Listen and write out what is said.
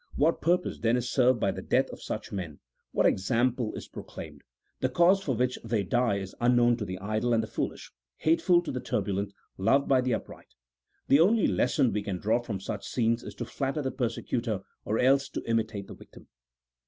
What purpose then is served by the death of such men, what example is proclaimed ? the cause for which they die is unknown to the idle and the foolish, hateful to the tur bulent, loved by the upright. The only lesson we can draw from such scenes is to natter the persecutor, or else to imitate the victim.